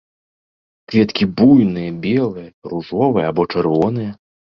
Кветкі буйныя, белыя, ружовыя або чырвоныя.